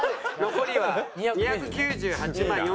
残りは２９８万４２００回です。